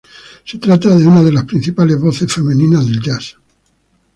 Se trata de una de las principales voces femeninas del jazz.